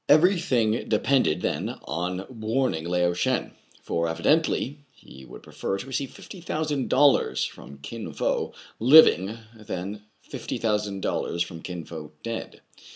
Every thing depended, then, on warning Lao Shen ; for evi dently he would prefer to receive fifty thousand dollars from Kin Fo living than fifty thousand dol lars from Kin Fo dead.